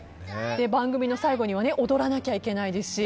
番組の最後には踊らなきゃいけないですし。